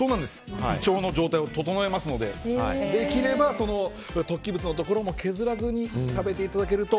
胃腸の状態を整えますのでできれば、突起物のところも削らずに食べていただけると。